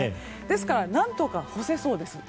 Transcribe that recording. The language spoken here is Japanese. ですから、何とか干せそうです。